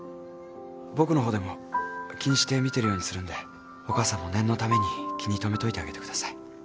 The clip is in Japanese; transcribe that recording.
僕の方でも気にして見てるようにするんでお母さんも念のために気に留めといてあげてください。